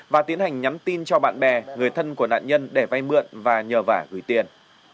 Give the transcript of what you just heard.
và tiến hành nhắn tin cho bạn bè người thân của nạn nhân để vay mượn và nhờ vả gửi tiền